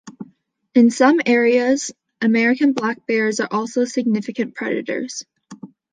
In some areas, American black bears are also significant predators.